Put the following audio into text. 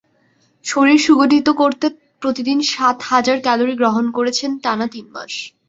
শরীর সুগঠিত করতে প্রতিদিন সাত হাজার ক্যালরি গ্রহণ করেছেন টানা তিন মাস।